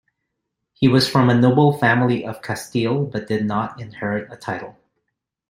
He was from a noble family of Castile, but did not inherit a title.